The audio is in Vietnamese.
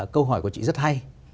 câu hỏi của chị rất hay